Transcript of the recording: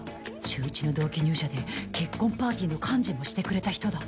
秀一の同期入社で結婚パーティーの幹事もしてくれた人だ。